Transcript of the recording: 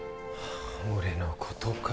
俺のことか